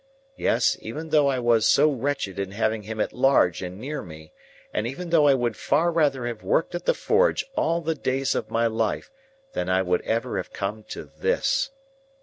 Yes; even though I was so wretched in having him at large and near me, and even though I would far rather have worked at the forge all the days of my life than I would ever have come to this!